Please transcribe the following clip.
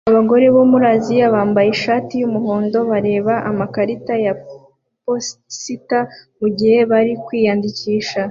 Abagore bo muri Aziya bambaye ishati yumuhondo bareba amakarita ya posita mugihe bari kwiyandikisha